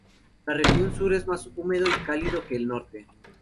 La región sur es más húmedo y más cálido que el norte.